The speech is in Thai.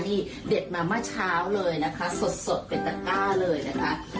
เด็ดมาเมื่อเช้าเลยนะคะสดเป็นตะก้าเลยนะคะ